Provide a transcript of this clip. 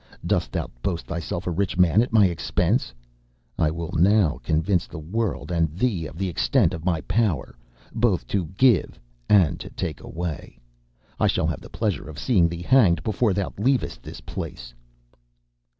Dost thou boast thyself a rich man at my expense? I will now convince the world and thee of the extent of my power, both to give and to take away. I shall have the pleasure of seeing thee hanged before thou leavest this place.